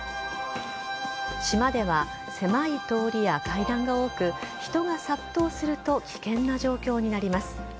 島では、狭い通りや階段が多く人が殺到すると危険な状況になります。